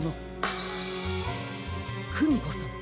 クミコさん